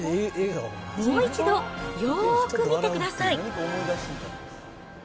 もう一度、よーく見てください。